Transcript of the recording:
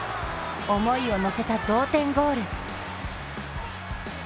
思いをのせた同点ゴール。